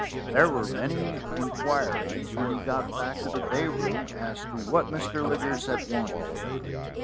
There were many inquiries when he got back to the day room as to what Mr. Liggers had wanted.